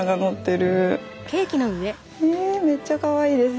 えめっちゃかわいいです。